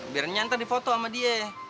biar ntar di foto sama dia